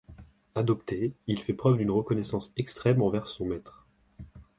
Adopté, il fait preuve d'une reconnaissance extrême envers son maître.